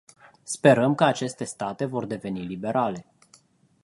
Sperăm că aceste state vor deveni liberale.